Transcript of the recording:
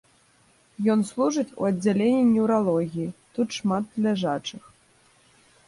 Ён служыць у аддзяленні неўралогіі, тут шмат ляжачых.